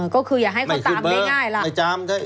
ก็คืออย่าให้เขาตามง่ายล่ะ